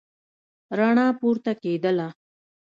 رڼا پورته کېدله.